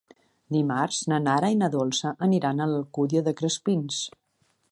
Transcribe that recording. Dimarts na Nara i na Dolça aniran a l'Alcúdia de Crespins.